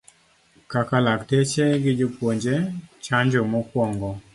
Kaka lakteche gi jopuonje chanjo mokuongo